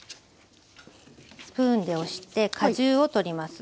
スプーンで押して果汁を取ります。